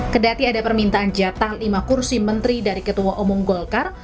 kedati ada permintaan jatah lima kursi menteri dari ketua umum golkar